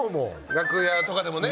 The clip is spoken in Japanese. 楽屋とかでもね。